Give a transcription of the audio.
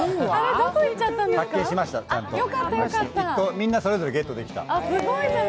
みんなそれぞれゲットできた。